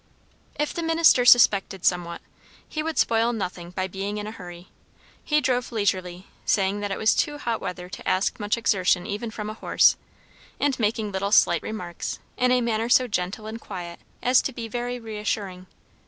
If the minister suspected somewhat, he would spoil nothing by being in a hurry. He drove leisurely, saying that it was too hot weather to ask much exertion even from a horse; and making little slight remarks, in a manner so gentle and quiet as to be very reassuring.